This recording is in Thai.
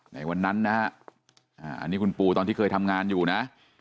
ในวันนั้นนะฮะอันนี้คุณปู่ตอนที่เคยทำงานอยู่นะ